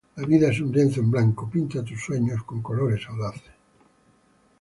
La vida es un lienzo en blanco; pinta tus sueños con colores audaces.